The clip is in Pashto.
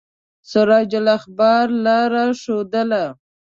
سراج الاخبار لاره ښودله.